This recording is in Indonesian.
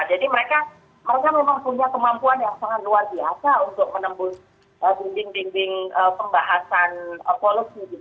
jadi mereka memang punya kemampuan yang sangat luar biasa untuk menembus dinding dinding pembahasan polusi gitu ya